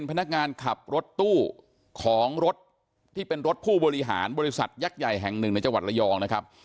พนักงานขับรถตู้ของรถที่เป็นรถผู้บริหารบริษัทยักษ์ใหญ่แห่งหนึ่งในจังหวัดระยองนะครับ